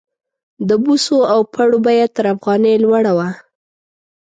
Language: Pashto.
د بوسو او پړو بیه تر افغانۍ لوړه وه.